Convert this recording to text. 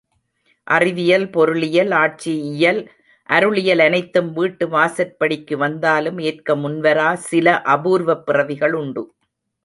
அறிவியல், பொருளியல், ஆட்சியியல், அருளியல் அனைத்தும் வீட்டு வாசற்படிக்கு வந்தாலும் ஏற்க முன்வரா சில அபூர்வப் பிறவிகள் உண்டு.